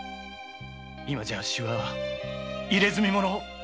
今じゃあっしは入れ墨者。